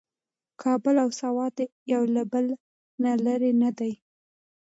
کابل او سوات یو له بل نه لرې نه دي.